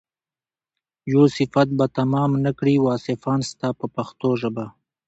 یو صفت به تمام نه کړي واصفان ستا په پښتو ژبه.